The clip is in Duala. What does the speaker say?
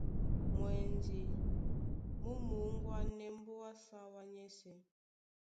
Mwɛndi mú mōŋgwanɛɛ́ mbóa á sáwá nyɛ́sɛ̄.